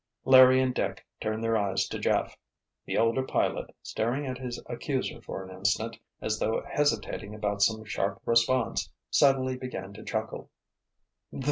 Larry and Dick turned their eyes to Jeff. The older pilot, staring at his accuser for an instant, as though hesitating about some sharp response, suddenly began to chuckle.